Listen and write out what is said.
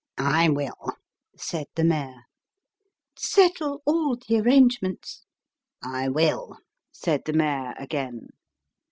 " I will," said the mayor. " Settle all the arrangements." " I will," said the mayor again.